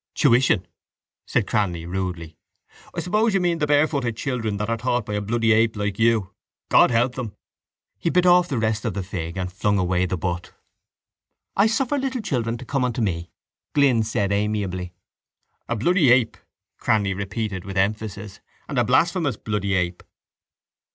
—Tuition! said Cranly rudely. I suppose you mean the barefooted children that are taught by a bloody ape like you. God help them! He bit off the rest of the fig and flung away the butt. —I suffer little children to come unto me, Glynn said amiably. —A bloody ape, Cranly repeated with emphasis, and a blasphemous bloody ape!